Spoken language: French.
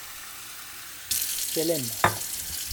Qu’elle aime.